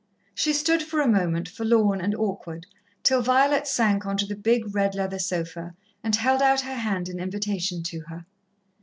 She stood for a moment, forlorn and awkward, till Violet sank on to the big red leather sofa, and held out her hand in invitation to her.